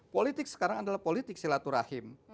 politik sekarang adalah politik silaturahim